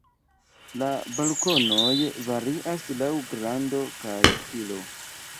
La balkonoj varias laŭ grando kaj stiloj.